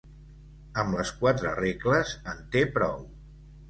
Amb les quatre regles en te prou